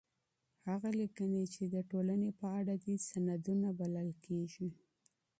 هغه ليکنې چي د ټولني په اړه دي، سندونه بلل کيږي.